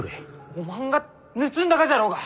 おまんが盗んだがじゃろうが！